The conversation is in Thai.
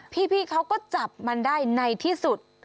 พี่เขาก็จับมันได้ในที่สุด